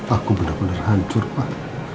aku benar benar hancur pak